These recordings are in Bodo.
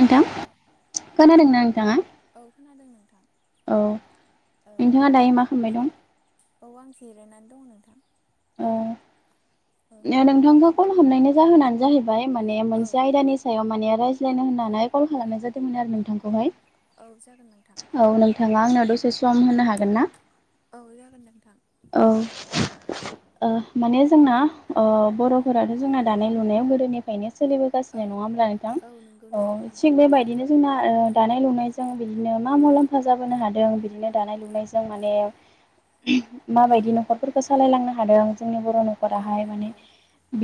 नोंथां खोनादोंना नोंथाङा [unintelligible] औ खोनादों नोंथां औ औ नोंथाङा दायो मा खालामबाय दं औ आं जिरायनानै दङ नोंथां। औ नोंथांखौ कल हमनायनि जाहोनानो जाहैबाय माने औ मोनसे आयदानि सायाव माने रायज्लायनो होननानै कल खालामनाय जादोंमोन आरो नोंथांखौहाय औ जागोन नोंथां औ नोंथाङा आंनाव दसे सम होनो हागोन ना औ जागोन नोंथां औ माने जोंना बर'फोराथ' जोंना दानाय लुनायाव गोदोनिफ्रायनो सोलिबो औ जानाय नङा हब्ला नोंथां औ नंगौ नोंथां नंगौ थंनाय बायदिनो जोंना दानाय लुनायजों बिदिनो मा मुलाम्फा जाबोनो हादों बिदिनो दानाय लुनायजों माने उज्ञ औ माबायदि न'खरफोरखौ सालायलांनो हादों जोंनि बर' औ न'खराहाय नंगौ माने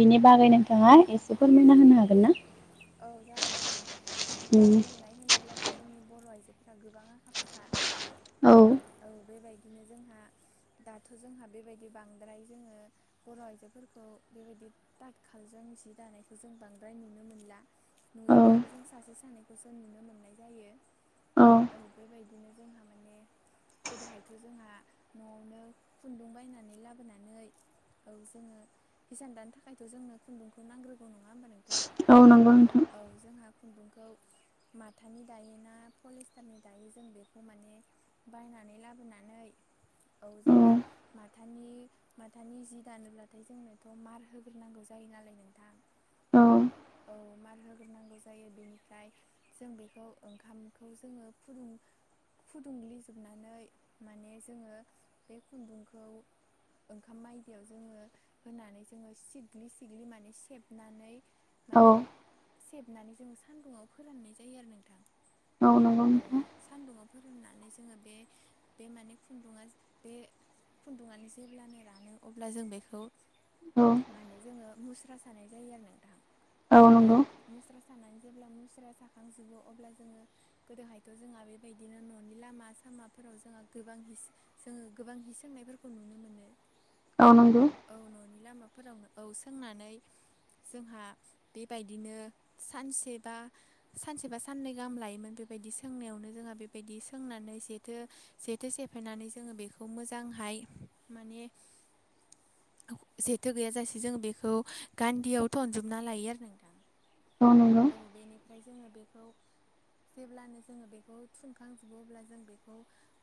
बिनि बागै नोंथाङा एसे फोरमायना होनो हागोन ना औ जागोन नोंथां उम दानाय लुनाय मानो होनोब्लाथ' जोंनि बर' आइजोफोरा गोबां आखा फाखा औ औ बेबायदि बिदिनो जोंहा दाथ' जोंहा बेबायदि बांद्राय जोङो बर' आइजोफोरखौ बेबायदि दाथखालजों एसे दानायखौ जों बांद्राय नुनो मोनला औ नुयोब्लाबो जों सासे सानैखौसो नुनो मोननाय जायो औ बेबायदिनो जोंहा माने गोदोहायथ' जोंहा न'आवनो खुन्दुं बायनानै लाबोनानै औ जोङो हिसान दानो थाखायथ' जोंनो खुन्दुंखौ नांग्रोगौ नङा होमबा नोंथांा औ नंगौ नोंथां औ जोंहा खुन्दुंखौ माथानि दायो ना पलिस्टारनि दायो जों बेखौ माने बायनानै लाबोनानै औ औ जोंहा माथानि माथानि जि दानोब्लाथाय जोंनोथ' मार होग्रोनांगौ जायो नालाय नोंथां औ औ मार होग्रोनांगौ जायो बेनिफ्राय जों बेखौ ओंखामखौ जोङो फुदुं फुदुं्लिजोबनानै माने जोङो बे खुन्दुंखौ ओंखाम मायदियाव जोङो होनानै जोङो सिग्लि सिग्लि माने सेबनानै औ माने सेबनानै जोङो सान्दुङाव फोराननाय जायो आरो नोंथां औ नंगौ औ नोंथां सान्दुङाव फोरुननानै जोङो बे बे माने खुन्दुा बे खुन्दुङनो जेब्लानो रानो अब्ला जों बेखौ औ माने जोङो मुस्रा सानाय जायो आरो नोंथांाहां औ मुस्रा सानानै जेब्ला मुस्राया साखांजोबो अब्ला जोङो गोदोहायथ' जोंहा बेबायदिनो न'नि लामा सामाफोराव जोंहा गोबां हि जोङो गोबां हि सोंनायफोरखौ नुनो मोनो औ नंगौ औ न'नि लामाफोरावनो औ सोंनानै जोंहा बेबायदिनो सानसेबा सानसेबा साननै गाहाम लायोमोन बेबायदि सोंनायावनो जोंहा बेबायदि सोंनानै जथो जेथो सेफायनानै जोङो बेखौ मोजांहाय माने जेथो गैयााजासे जों बेखौ गान्दियाव थनजोबना लायो आरो नोंथां अ नंगौ औ बेनिफ्राय जोङो बेखौ जेब्लानो जोङो बेखौ थुनखांजोबो अब्ला जों बेखौ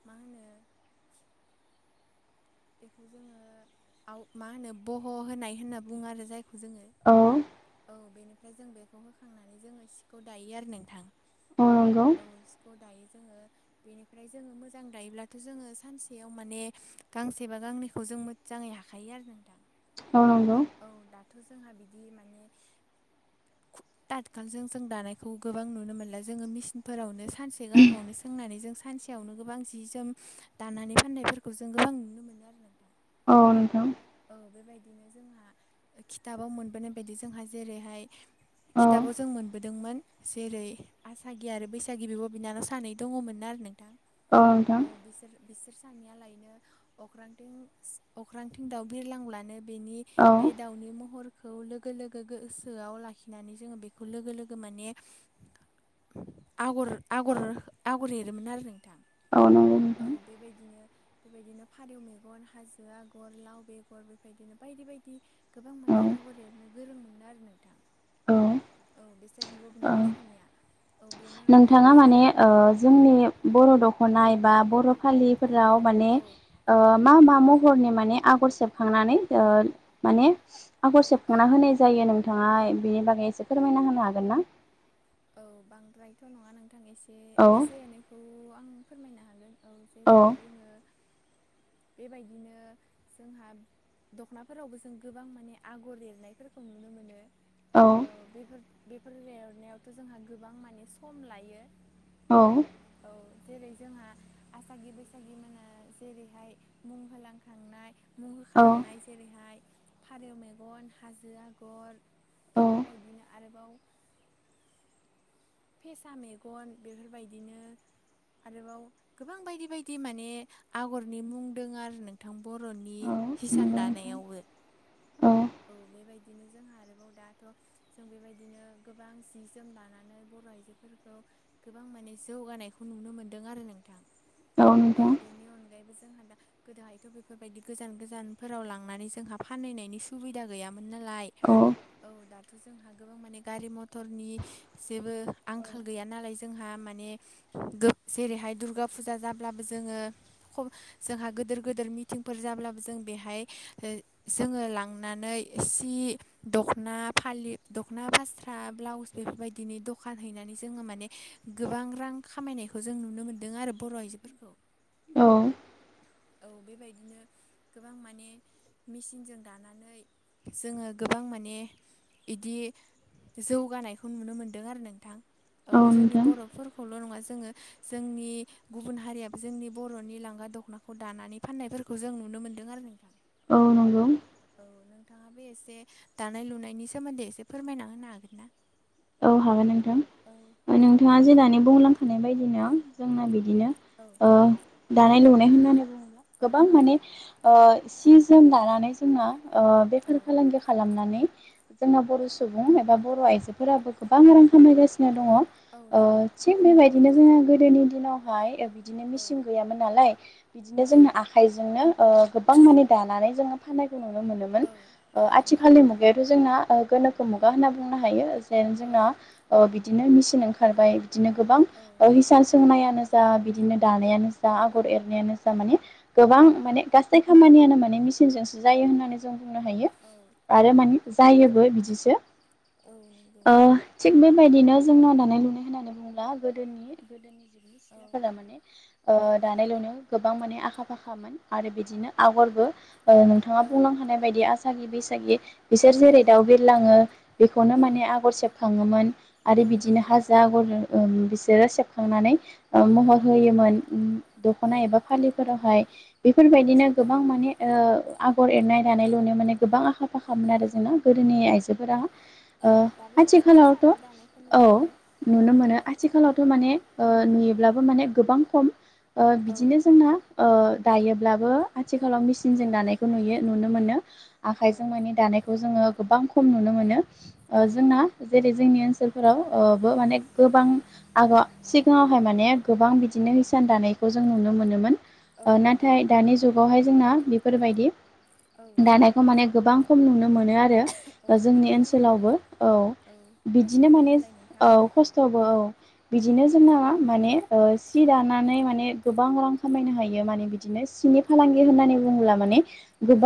मा होनो बेखौ जोङो आव मा होनो बह' होनाय होनना बुङो आरो जायखौ जोङो। औ। औ बेनिफ्राय जों बेखौ होखांनानै जोङो सिखौ दायो आरो नोंथां। अ नंगौ। औ सिखौ दायो जोङो बेनिफ्राय जोङो मोजां दायोब्लाथ' जोङो सानसेयाव माने गांसेबा गांनैखौ जों मोजाङै हाखायो आरो नोंथां। औ नंगौ। औ दाथ' जोंहा बिदि माने [unintelligible] जों दानायखौ गोबां नुनो मोनला जोङो मेसिनफोरावनो सानसे गाहामावनो सोंनानै जों सानसे [unintelligible] गोबां जि जोम दानानै फाननायफोरखौ जों गोबां नुनो मोनो आरो नोंथां। औ नोंथां। औ बेबायदिनो जोंहा खिथाबाव मोनबोनाय बायदि जोंहा जेरैहाय खिथाबाव जों मोनबोदोंमोन। जेरै आसागि आरो बैसागि बिब' बिनानाव सानै दङमोन आरो नोंथां। औ बिसोर बिसोर सानैया लायनो अख्रांथिं अख्रां दाउ बिरलां लानो बेनि बे दाउनि महर खौ लोगो लोगो गोसोआव लाखिनानै जोङो बेखौ लोगो लोगो माने आगर आगर आगर एरोमोन आरो नोंथां। औ बेबायदिनो बेबायदिनो फारौ मेगन हाजो आ आगर लाव बेगर बेबायदिनो बायदि बायदि गोबां माने आगर एरनो गोरों मोनो आरो नोंथां औ औ बिसोर बिब' औ बिनानाव सानैया औ बेनि अनगायैबो नोंथाङा माने ओ औ जोंनि बर' दख'ना एबा बर' फालिफोराव माने औ ओ मा मा महरनि माने आगर सेबखांनानै ओ माने आगर औ सेबखांना होनाय जायो नोंथाङा बिनि बागै एसे फोरमायना होनो हागोन ना? औ बांद्रायथ' नङा नोंथां एसे औ एसे एनैखौ आं फोरमायनो हागोन। औ जेरैहाय जोङो बेबायदिनो जोंहा दख'नाफोरावबो जों गोबां माने आगर एरनायफोरखौ नुनो मोनो। औ अ बेफोर बेफोर एरनायावथ' जोंहा गोबां माने सम लायो। औ। औ जेरै जोंहा आसागि बैसागि मोनहा जेरैहाय मुं होलांखांनाय मु औ होखालांनाय जेरैहाय फारौ मेगन हाजो आगर। औ बेफोरबायदिनो आरोबाव फेसा मेगन बेफोरबायदिनो आरोबाव गोबां बायदि बायदि माने आगरनि मुं दोङो आरो नों थां बर'नि औ हिसान नंगौ दानायावबो औ बेबायदिनो जोंहा आरोबाव दा थ' जों बेबायदिनो गोबां जि जोम दानानै बर बर' आइजोफोरखौ गोबां माने जौगानायखौ नुनो मोनदों आरो नोंथां। औ नोंथां बेनि अनगायैबो जोंहा दा गोदोहायथ' बेफोरबायदि गोजान गोजानफोराव लांनानै जोंहा फानहैनायनि सुबिदा गैयामोन नालाय औ औ दा थ' जोंहा गोबां माने गारि मथरनि जेबो आंखाल गैया नालाय जोंहा माने जेरैहाय दुर्गा फुजा जाब्लाबो जोङो ख जोंहा गोदोर गोदोर मिटिंफोर जाब्लाबो जों बेहाय जोङो लांनानै सि दख'ना फालि दख'ना फास्रा ब्लाउस बेफोरबायदिनि द दखान हैनानै जोङो माने गोबां रां खामायनायखौ जों नुनो मोनदों आरो बर' आइजोफोरखौ। [inaudible] औ औ बेबायदिनो गोबां माने मेचिनजों दानानै जोङो गोबां माने इदि जौगानायखौ नुनो मोन्दों आरो नों थां औ जोंनि बर' फोर खौल' नङा जोङो जोंनि गुबुन हारियाबो जोंनि बर'नि लांगा दख'ना खौ दानानै फाननायफोरखौ जों नुनो मोनदों आरो नोंथां। औ नंगौ औ नोंथाङाबो एसे दानाय लुनायनि सोमोन्दै एसे फोरमायना होनो हागोन ना? औ हागोन नोंथां‌ औ नोंथाङा जे दानि बुंलांखानाय बायदिनो जोंना बिदिनो औ [unintelligible] दानाय लुनाय होननानै बुङोब्ला औ गोबां माने ओ सि जोम दानानै जोङो ओ औ बेफार फालांगि खालामनानै जोंना बर' सुबुं एबा बर' आइजोफोराबो गोबां रां खामायगासिनो दङ औ ओ नंगौ थिग बेबायदिनो जोङो गोदोनि दिनावहाय बिदिनो औ मेचिं गैयामोन नालाय बिदिनो औ जोंनो आख आखाइजोंनो ओ गोबां माने दानानै जोङो फाननायखौ नुनो मोनोमोन औ ओ औ नंगौ आथिखालनि मुगायावथ' जोंना ओ गोनो [unintelligible] मुगा होनना बुंनो हायो जेन औ जोंना बिदिनो मेसिन ओंखारबाय बिदिनो गोबां औ हिसान सोंनायानो जा बिदिनो दानायानो जा आगर एरनायानो जा माने गोबां औ माने गासै खामानियानो माने मेसिनजोंसो जायो होननानै जों बुंनो हायो। औ आरो माने जायोबो बिदिसो औ नों ओ थिग बेबायदिनो जोंना दानाय लुनाय होननानै बुङोब्ला गोदोनि गोदोनि सिख्लाफोरा औ माने ओ दानाय लुनायाव गोबां माने आखा फाखामोन आरो बिदिनो आगरबो ओ नों थाङा औ बुंलां खानाय बायदि आसागि बैसागि बिसोर औ जेरै दाउ बिरलाङो बेखौनो माने आगर [unintelligible] सेबखाङोमोन आरो औ बिदिनो नंगौ हाजो आगर ओ बिसोरो सेबखांनानै औ महर होयोमोन दख'ना एबा फालिफोरावहाय बेफोरबायदिनो औ गोबां माने ओ आगर एरनाय दानाय लुनायाव माने गोबां आखा फाखामोन आरो जोंना गोदोनि आइजोफोरा औ ओ दाबो जों सासे आथिखालावथ' सानै दानायखौ औ नुनो मोनो। नुनो मोनो आथिखालावथ' माने नुयोब्लाबो माने गोबां खम। ओ औ बिदिनो जोंना ओ दायोब्लाबो आथिखालाव औ मेसिनजों दानाय नुयो नुनो मोनो औ आखाइजों मानि दानायखौ जोङो गोबां खम नुनो मोनो ओ औ जोंना जेरै जोंनि ओनसोलफोराव ओ बो माने गोबां आग' सिगाङावहाय माने गोबां बिदिनो हिसान दानायखौ जों नुनो मोनोमोन। औ ओ नंगौ नाथाय दानि जुगावहाय जोंना बेफोरबायदि औ दानाय खौ माने गोबां खम नुनो मोनो आरो औ ओ खम जोंनि जालांबाय ओनसोलावबो औ औ बिदिनो खस्थ'बो माने नालाय नोंथां औ खस्थ'बो औ बिदिनो जोंना माने ओ सि दानानै माने गोबां रां खामायनो हायो माने बिदिनो सिनि फालांगि होननानै बुङोब्ला माने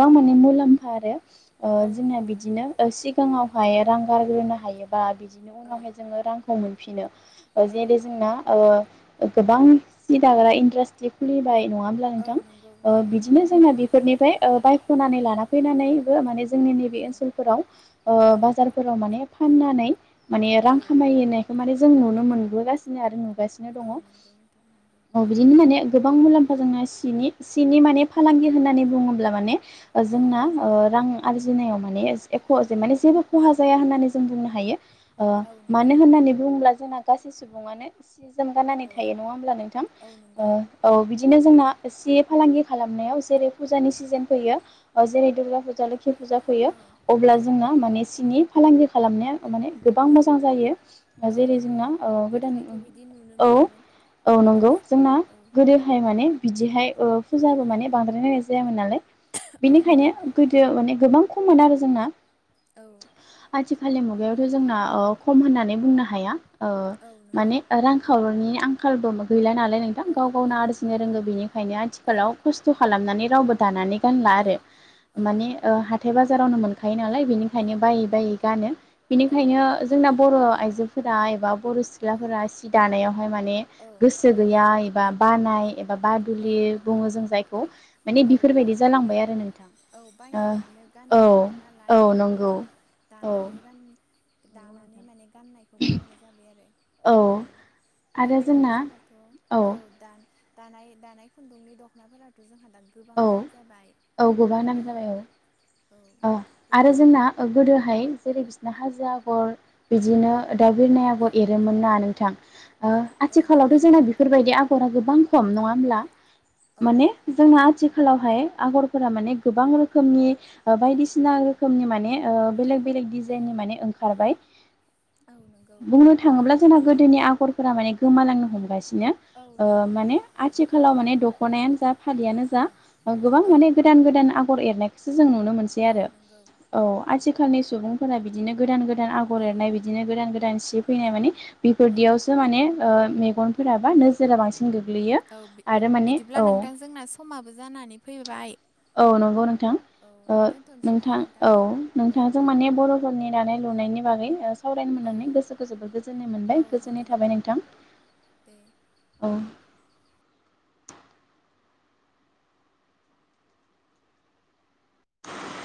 औ माने मुलाम्फा आरो ओ औ जोंना नंगौ बिदिनो ओ सिगाङावहाय रां गारग्रोनो हायोबा बिदिनो औ उनावहाय जोङो रांखौ मोनफिनो औ जेरै जोंना ओ गोबां सि दाग्रा इन्डास्ट्रि खुलिबाय नङा होनब्ला औ नोंथां नंगौ ओ नंगौ बिदिनो नोंथां जोंना [unintelligible] फोरनिफ्राय ओ बायख'नानै लाना फैनानैबो माने जोंनि नैबे औ ओनसोलफोराव ओ औ बाजार फोराव माने फाननानै माने रां औ खामायनायखौ माने जों नुनो मोनबोगासिनो आरो नुगासि नो दङ औ नंगौ नोंथां नंगौ ओ बिदिनो माने गोबां मुलाम्फा जोंना सिनि सिनि माने फालांगि होननानै बुङोब्ला माने औ जोंना ओ रां आरजिनायाव माने एख' जेन माने जेबो खहा जाया होननानै जों बुंनो हायो ओ औ नंगौ मानो होननानै बुङोब्ला जोंना गासै सुबुङानो सि जोम गाननानै औ थायो नङा होमब्ला नोंथां औ नंगौ औ बिदिनो जोंना एसे फालांगि खालामनायाव जेरै फुजानि सि जेन फैयो जेरै दुर्गा फुजा लोखि फुजा फैयो औ अब्ला औ जोंना माने सिनि फालांगि खालामनाया माने गोबां औ मोजां जायो ओ औ जेरै' ओ नंगौ जोंना गोदान। गोदोहायथ' बिदि नुनो औ। मोनामोन औ नंगौ। दासो जोंना औ गोदो हाय माने बिदिहाय ओ फुजाबो माने बांद्रायलनायनाय जायामोन नालाय औ नंगौ बेनिखायनो गोदो माने गोबां खममोन आरो। जोंना औ। आथिखालनि मुगायावथ' जोंना खम होननानै बुंनो हाया ओ औ नंगौ माने रां खावरनि आंखालबो गैला नालाय नोंथां औ गाव गावनो औ आरजिनो नंगौ रोंङो बेनिखायनो औ आथिखालाव खस्थ' थ' खालामनानै रावबो दानानै गानला आरो। औ माने ओ हाथाय बाजारावनो मोनखायो नालाय बिनिखायनो बायै बायै गानो बिनिखायनो जोंना बर' आइजोफोरा एबा बर' सिख्लाफोरा सि दानायावहाय माने गोसो गैया एबा बानाय एबा बा दुलि बुङो जों जाय खौ माने बेफोरबायदि जालांबाय आरो नोंथां। औ बायनानैनो ओ औ गाननो मोनो औ नालाय नंगौ बेनिखायनो औ दानानै गान नंगौ दानानै नोंथां माने गाननाय। बेखौ बाग्रा जाबाय आरो औ आरो जोंना बेबायदिनो जोंहाथ' औ दा। दानाय दानाय खुन्दुंनि दख'नाफोराथ' जोंहा दा गोबां औ दाम जाबाय औ गोबां नाम औ। जाबाय औ बे आरो जोंना गोदोहाय जेरै' बिसना हाजो आगर बिदिनो। दा बिनायाबो औ एरोमोन ना नोंथां। ओ औ आथिखालावथ' नंगौ जोंना। बेफोरबायदि आगरा गोबां खम नङ होमब्ला औ माने जोंना आथिखालाव हाय। आगरफोरा माने गोबां रोखोमनि। बायदिसिना रोखोमनि माने ओ बेलेग बेलेग डजाइननि माने ओंखारबाय। औ नोंगौ। बुंनो थाङोब्ला जोंना गोदोनि आगरफोरा माने गोमालांनो हमगासिनो। औ ओ नंगौ माने आथिखालाव माने दख'नायानो जा फालियानो जा गोबां औ माने। गोदान गोदान आगर एरनायखौसो जों नुनो मोनसै औ आरो। नंगौ औ आथिखालनि सुबुंफोरा बिदिनो गोदान गोदान आगर औ एरनाय बिदिनो गोदान गोदान सि फैनाय माने औ बेफोरदियावसो माने ओ मेगनफोरा बा नोजोरा बांसिन गोग्लैयो। औ बि आरो माने बिदिब्ला औ नोंथांजोंना समाबो जानानै फैबाय। औ नंगौ नोंथां औ दोनथ'नोसै नामा नोंथां औ औ नोंथाङ जों मान बर' समनि दानाय लुनायनि बागै सावरायनो औ मोननानै गोसोखौ जोबोद गोजोननाय औ मोनबाय नंगौ गोजोननाय थाबाय नोंथां। दे औ